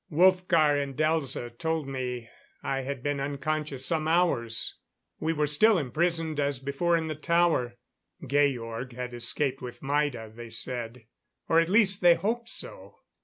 Wolfgar and Elza told me I had been unconscious some hours. We were still imprisoned as before in the tower. Georg had escaped with Maida, they said; or at least, they hoped so.